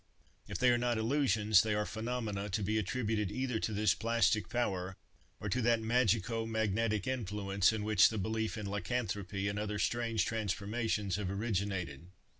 If they are not illusions, they are phenomena, to be attributed either to this plastic power, or to that magico magnetic influence in which the belief in lycanthropy and other strange transformations have originated.